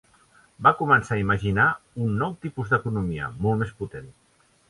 Va començar a imaginar un nou tipus d'economia, molt més potent.